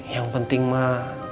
yang penting mah